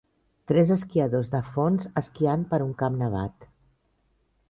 Tres esquiadors de fons esquiant per un camp nevat.